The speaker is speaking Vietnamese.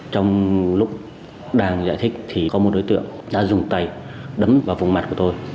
trong lúc đang giải thích thì có một đối tượng đã dùng tay đấm vào vùng mặt của tôi